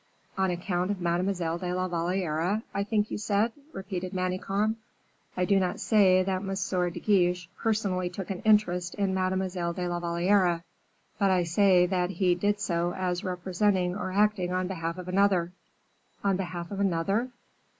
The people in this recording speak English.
"On account of Mademoiselle de la Valliere, I think you said?" repeated Manicamp. "I do not say that M. de Guiche personally took an interest in Mademoiselle de la Valliere, but I say that he did so as representing or acting on behalf of another." "On behalf of another?"